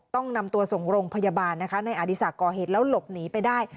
ต้องนำตัวส่งโรงพยาบาลนะคะในอดีศักดิ์ก่อเหตุแล้วหลบหนีไปได้